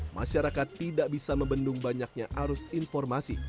masyarakat tidak bisa membendung banyaknya arus informasi